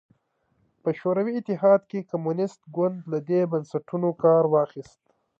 په شوروي اتحاد کې کمونېست ګوند له دې بنسټونو کار واخیست